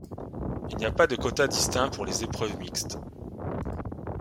Il n'y a pas de quotas distincts pour les épreuves mixtes.